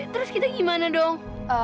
terus kita gimana dong